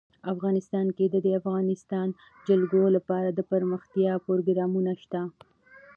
افغانستان کې د د افغانستان جلکو لپاره دپرمختیا پروګرامونه شته.